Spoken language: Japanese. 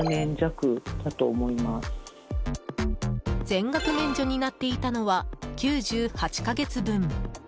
全額免除になっていたのは９８か月分。